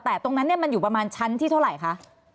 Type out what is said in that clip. แต่ตรงนั้นมันอยู่ประมาณชั้นที่เท่าไหร่คะ